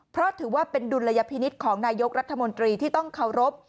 เพราะถือว่าเป็นดุลยพินิษฐ์ของนายกรัฐมนตรีที่ต้องเคารพ